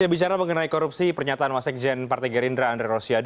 sebagai bicara mengenai korupsi pernyataan wasekjen partai gerindra andri rosyadi